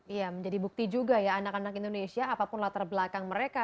iya menjadi bukti juga ya anak anak indonesia apapun latar belakang mereka